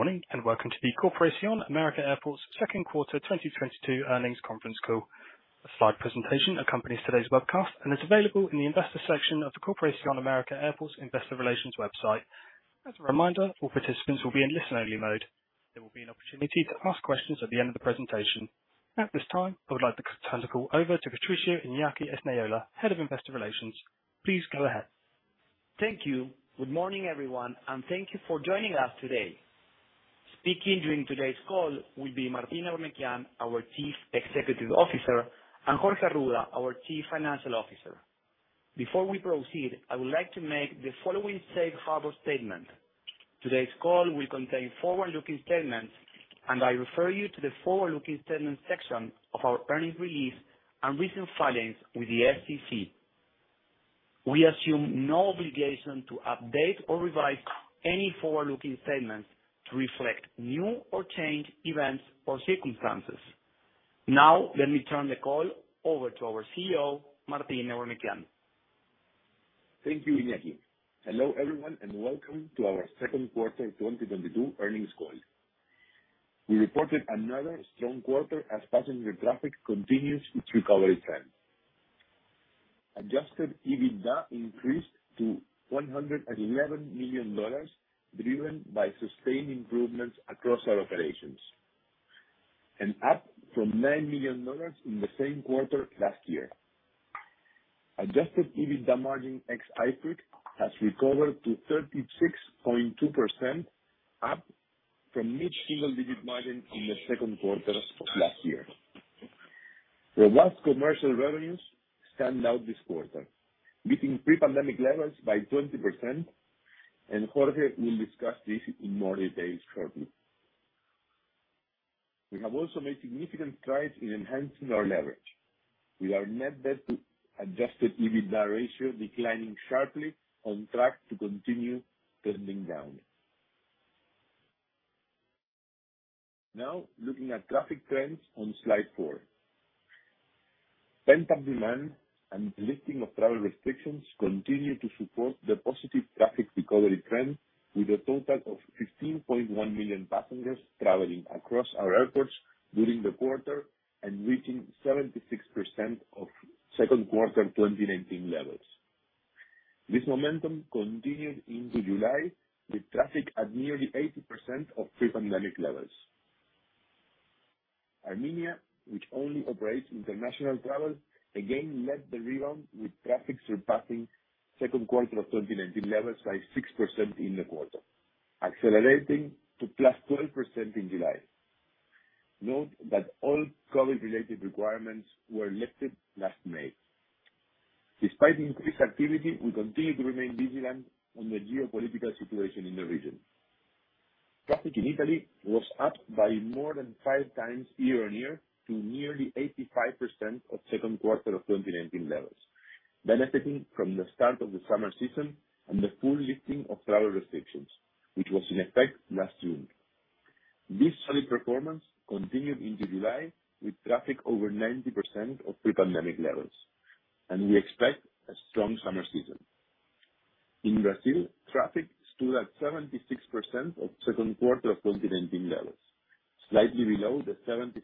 Good morning, and welcome to the Corporación América Airports Second Quarter 2022 Earnings Conference Call. A slide presentation accompanies today's webcast and is available in the Investor section of the Corporación América Airports Investor Relations website. As a reminder, all participants will be in listen only mode. There will be an opportunity to ask questions at the end of the presentation. At this time, I would like to turn the call over to Patricio Iñaki Esnaola, Head of Investor Relations. Please go ahead. Thank you. Good morning, everyone, and thank you for joining us today. Speaking during today's call will be Martín Eurnekian, our Chief Executive Officer, and Jorge Arruda, our Chief Financial Officer. Before we proceed, I would like to make the following safe harbor statement. Today's call will contain forward-looking statements, and I refer you to the forward-looking statements section of our earnings release and recent filings with the SEC. We assume no obligation to update or revise any forward-looking statements to reflect new or changed events or circumstances. Now, let me turn the call over to our CEO, Martín Eurnekian. Thank you, Iñaki. Hello, everyone, and welcome to our second quarter 2022 earnings call. We reported another strong quarter as passenger traffic continues its recovery trend. Adjusted EBITDA increased to $111 million, driven by sustained improvements across our operations, and up from $9 million in the same quarter last year. Adjusted EBITDA margin ex-IFRIC has recovered to 36.2%, up from mid-single digit margin in the second quarter of last year. Non-aero commercial revenues stand out this quarter, beating pre-pandemic levels by 20%, and Jorge will discuss this in more detail shortly. We have also made significant strides in enhancing our leverage. We are net debt to Adjusted EBITDA ratio declining sharply, on track to continue trending down. Now, looking at traffic trends on slide 4. Pent-up demand and lifting of travel restrictions continue to support the positive traffic recovery trend, with a total of 15.1 million passengers traveling across our airports during the quarter and reaching 76% of second quarter 2019 levels. This momentum continued into July, with traffic at nearly 80% of pre-pandemic levels. Armenia, which only operates international travel, again led the rebound, with traffic surpassing second quarter of 2019 levels by 6% in the quarter, accelerating to +12% in July. Note that all COVID-related requirements were lifted last May. Despite the increased activity, we continue to remain vigilant on the geopolitical situation in the region. Traffic in Italy was up by more than five times year-on-year to nearly 85% of second quarter of 2019 levels, benefiting from the start of the summer season and the full lifting of travel restrictions, which was in effect last June. This solid performance continued into July, with traffic over 90% of pre-pandemic levels, and we expect a strong summer season. In Brazil, traffic stood at 76% of second quarter of 2019 levels, slightly below the 77%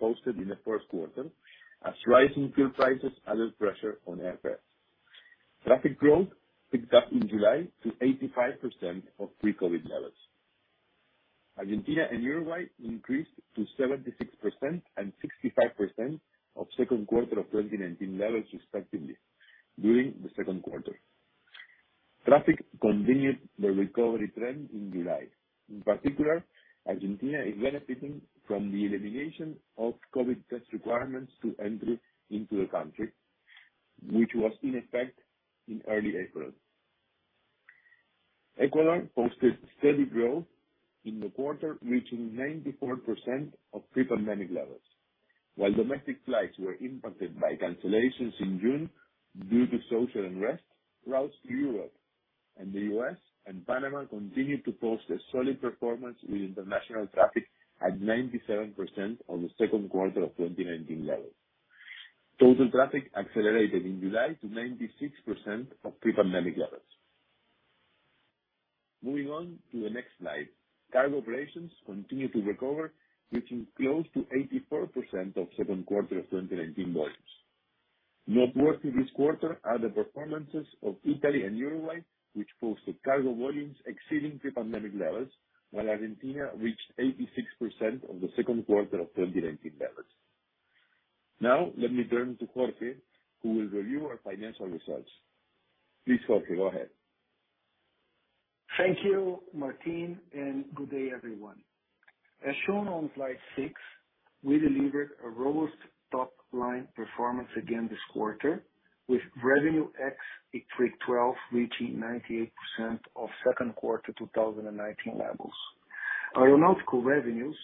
posted in the first quarter, as rising fuel prices added pressure on airfares. Traffic growth picked up in July to 85% of pre-COVID levels. Argentina and Uruguay increased to 76% and 65% of second quarter of 2019 levels, respectively, during the second quarter. Traffic continued the recovery trend in July. In particular, Argentina is benefiting from the elimination of COVID test requirements for entry into the country, which was in effect in early April. Ecuador posted steady growth in the quarter, reaching 94% of pre-pandemic levels. While domestic flights were impacted by cancellations in June due to social unrest, routes to Europe and the U.S. and Panama continued to post a solid performance with international traffic at 97% of the second quarter of 2019 levels. Total traffic accelerated in July to 96% of pre-pandemic levels. Moving on to the next slide. Cargo operations continue to recover, reaching close to 84% of second quarter 2019 volumes. Noteworthy this quarter are the performances of Italy and Uruguay, which posted cargo volumes exceeding pre-pandemic levels, while Argentina reached 86% of the second quarter of 2019 levels. Now, let me turn to Jorge, who will review our financial results. Please, Jorge, go ahead. Thank you, Martín, and good day, everyone. As shown on slide 6, we delivered a robust top line performance again this quarter, with revenue ex-IFRIC 12 reaching 98% of second quarter 2019 levels. Aeronautical revenues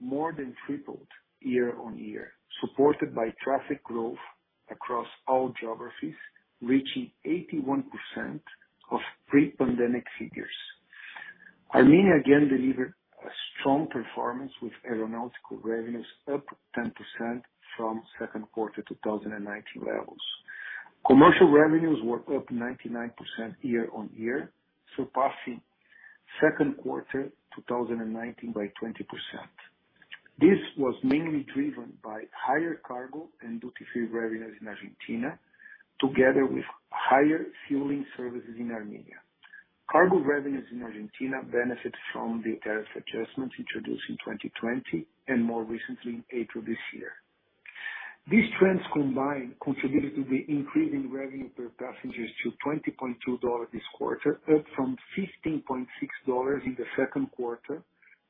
more than tripled year-on-year, supported by traffic growth across all geographies, reaching 81% of pre-pandemic figures. Armenia again delivered a strong performance with aeronautical revenues up 10% from second quarter 2019 levels. Commercial revenues were up 99% year-on-year, surpassing second quarter 2019 by 20%. This was mainly driven by higher cargo and duty-free revenues in Argentina, together with higher fueling services in Armenia. Cargo revenues in Argentina benefited from the tariff adjustments introduced in 2020 and more recently in April this year. These trends combined contributed to the increase in revenue per passengers to $20.2 this quarter, up from $15.6 in the second quarter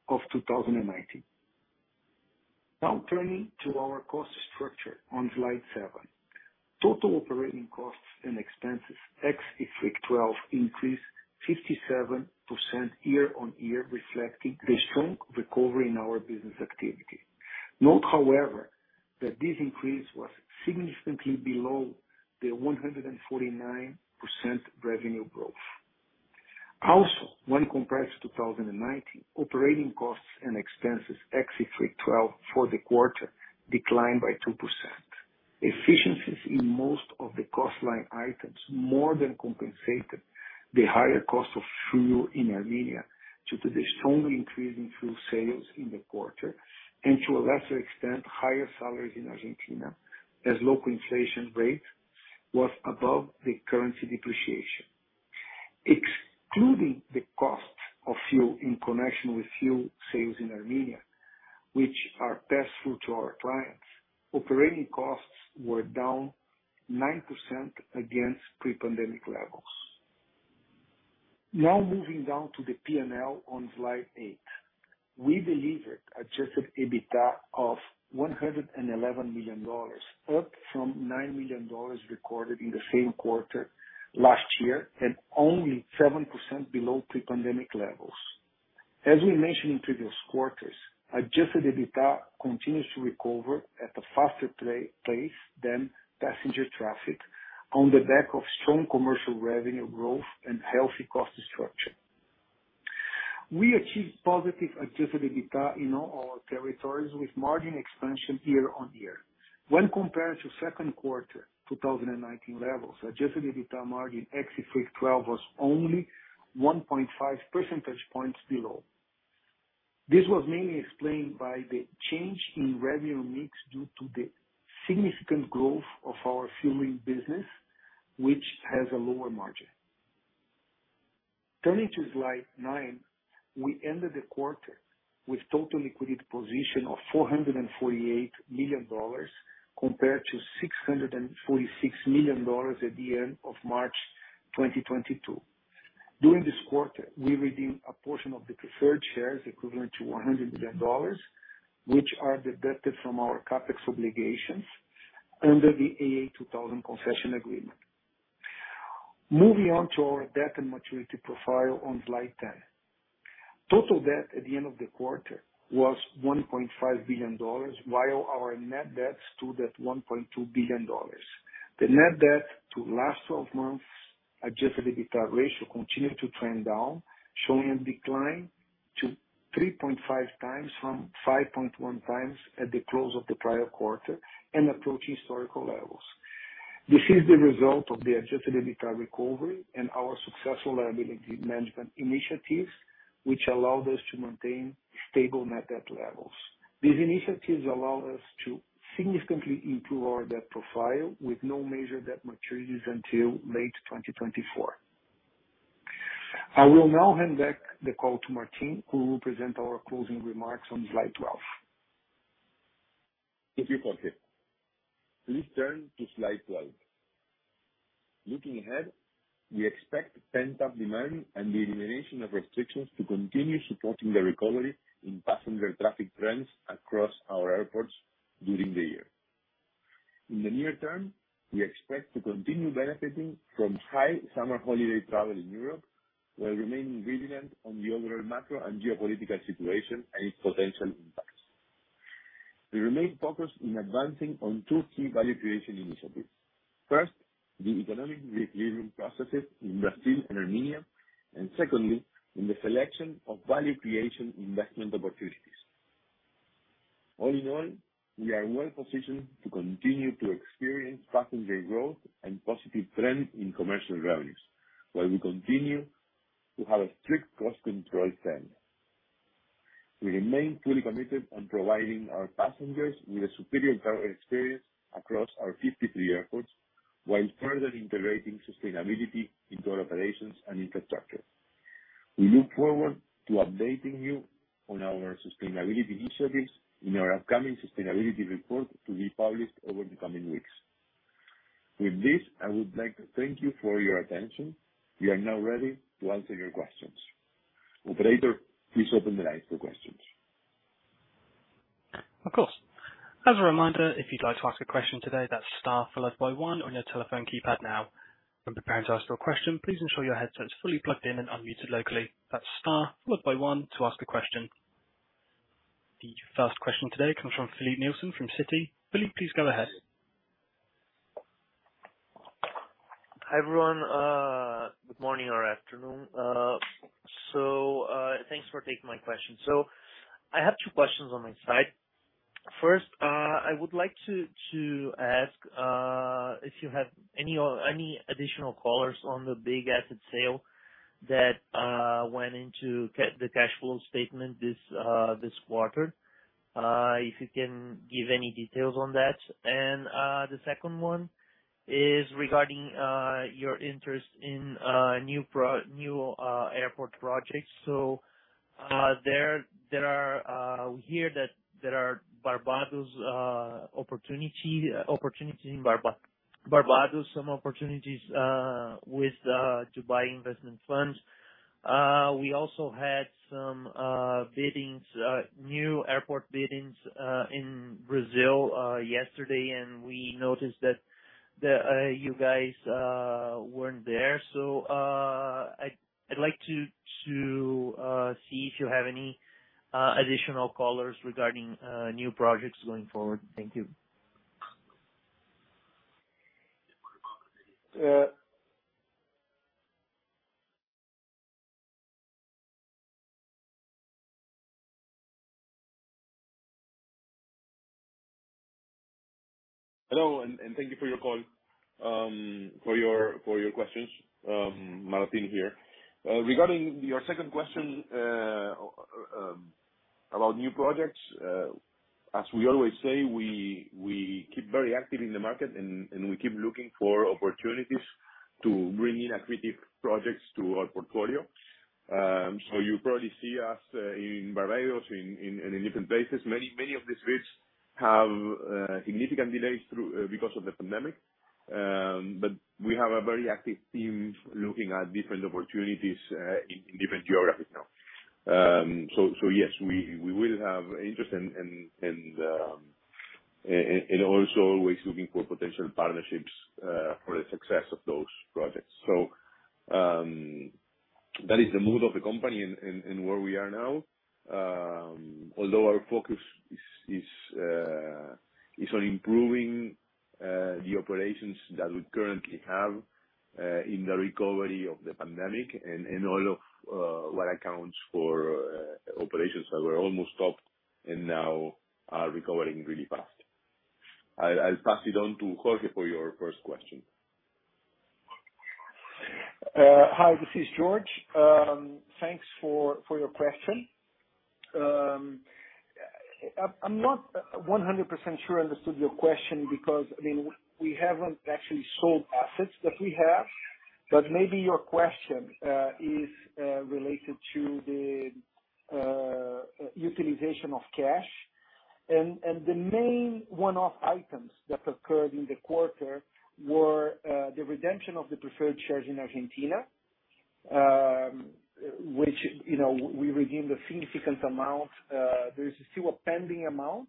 of 2019. Now turning to our cost structure on slide 7. Total operating costs and expenses, ex-IFRIC 12, increased 57% year-on-year, reflecting the strong recovery in our business activity. Note, however, that this increase was significantly below the 149% revenue growth. Also, when compared to 2019, operating costs and expenses, ex-IFRIC 12, for the quarter declined by 2%. Efficiencies in most of the cost line items more than compensated the higher cost of fuel in Armenia due to the strong increase in fuel sales in the quarter, and to a lesser extent, higher salaries in Argentina, as local inflation rate was above the currency depreciation. Excluding the cost of fuel in connection with fuel sales in Armenia, which are passed through to our clients, operating costs were down 9% against pre-pandemic levels. Now moving down to the P&L on slide 8. We delivered Adjusted EBITDA of $111 million, up from $9 million recorded in the same quarter last year, and only 7% below pre-pandemic levels. As we mentioned in previous quarters, Adjusted EBITDA continues to recover at a faster pace than passenger traffic on the back of strong commercial revenue growth and healthy cost structure. We achieved positive Adjusted EBITDA in all our territories with margin expansion year on year. When compared to second quarter 2019 levels, Adjusted EBITDA margin, ex-IFRIC 12, was only 1.5 percentage points below. This was mainly explained by the change in revenue mix due to the significant growth of our fueling business, which has a lower margin. Turning to slide 9, we ended the quarter with total liquidity position of $448 million compared to $646 million at the end of March 2022. During this quarter, we redeemed a portion of the preferred shares equivalent to $100 million, which are deducted from our CapEx obligations under the AA2000 concession agreement. Moving on to our debt and maturity profile on slide 10. Total debt at the end of the quarter was $1.5 billion, while our net debt stood at $1.2 billion. The net debt to last 12 months Adjusted EBITDA ratio continued to trend down, showing a decline to 3.5 times from 5.1 times at the close of the prior quarter and approaching historical levels. This is the result of the Adjusted EBITDA recovery and our successful liability management initiatives, which allow us to maintain stable net debt levels. These initiatives allow us to significantly improve our debt profile with no major debt maturities until late 2024. I will now hand back the call to Martín, who will present our closing remarks on slide 12. Thank you, Jorge. Please turn to slide 12. Looking ahead, we expect pent-up demand and the elimination of restrictions to continue supporting the recovery in passenger traffic trends across our airports during the year. In the near term, we expect to continue benefiting from high summer holiday travel in Europe, while remaining vigilant on the overall macro and geopolitical situation and its potential impacts. We remain focused in advancing on two key value creation initiatives. First, the economic re-opening processes in Brazil and Armenia, and secondly, in the selection of value creation investment opportunities. All in all, we are well positioned to continue to experience passenger growth and positive trends in commercial revenues, while we continue to have a strict cost control spend. We remain fully committed on providing our passengers with a superior travel experience across our 53 airports while further integrating sustainability into our operations and infrastructure. We look forward to updating you on our sustainability initiatives in our upcoming sustainability report to be published over the coming weeks. With this, I would like to thank you for your attention. We are now ready to answer your questions. Operator, please open the line for questions. Of course. As a reminder, if you'd like to ask a question today, that's star followed by 1 on your telephone keypad now. When preparing to ask your question, please ensure your headset is fully plugged in and unmuted locally. That's star followed by 1 to ask a question. The first question today comes from Filipe Nielsen from Citi. Filipe, please go ahead. Hi, everyone. Good morning or afternoon. Thanks for taking my question. I have two questions on my side. First, I would like to ask if you have any additional color on the big asset sale that went into the cash flow statement this quarter. If you can give any details on that. The second one is regarding your interest in new airport projects. We hear that there are opportunities in Barbados, some opportunities with Dubai investment funds. We also had some new airport biddings in Brazil yesterday, and we noticed that you guys weren't there. I'd like to see if you have any additional callers regarding new projects going forward. Thank you. Hello, and thank you for your call for your questions. Martín here. Regarding your second question about new projects, as we always say, we keep very active in the market and we keep looking for opportunities to bring in accretive projects to our portfolio. You probably see us in Barbados, in different places. Many of these bids have significant delays because of the pandemic. We have a very active team looking at different opportunities in different geographies now. Yes, we will have interest and also always looking for potential partnerships for the success of those projects. That is the mood of the company and where we are now. Although our focus is on improving the operations that we currently have in the recovery of the pandemic and all of what accounts for operations that were almost stopped and now are recovering really fast. I'll pass it on to Jorge for your first question. Hi, this is Jorge. Thanks for your question. I'm not 100% sure I understood your question because, I mean, we haven't actually sold assets that we have. Maybe your question is related to the utilization of cash. The main one-off items that occurred in the quarter were the redemption of the preferred shares in Argentina, which, you know, we redeemed a significant amount. There is still a pending amount,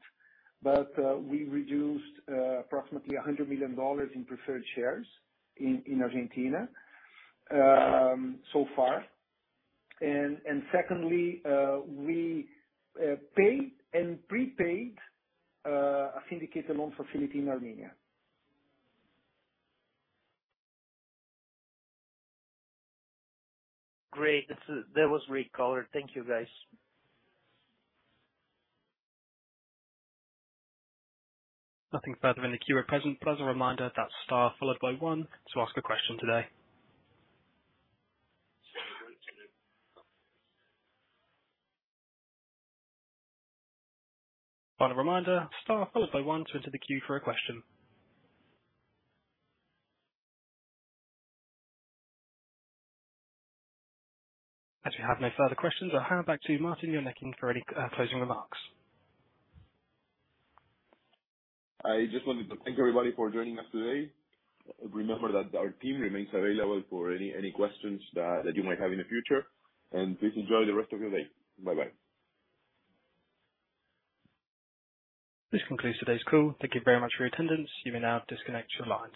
but we reduced approximately $100 million in preferred shares in Argentina so far. Secondly, we paid and prepaid a syndicated loan facility in Armenia. Great. That was great color. Thank you, guys. Nothing further in the queue at present. Please a reminder that star followed by 1 to ask a question today. Final reminder, star followed by 1 to enter the queue for a question. As we have no further questions, I'll hand back to Martín Eurnekian for any closing remarks. I just wanted to thank everybody for joining us today. Remember that our team remains available for any questions that you might have in the future. Please enjoy the rest of your day. Bye-bye. This concludes today's call. Thank you very much for your attendance. You may now disconnect your lines.